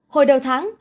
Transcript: hồi đầu tháng